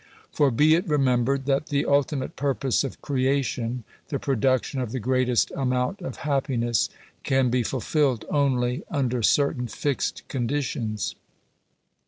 For be it remembered, that the ultimate purpose of creation — the production of the greatest amount of happiness — can be fulfilled only under certain fixed conditions (p.